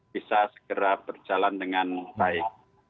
bisa segera berjalan dengan baik